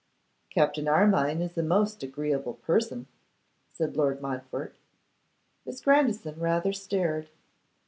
'Captain Armine is a most agreeable person,' said Lord Montfort. Miss Grandison rather stared.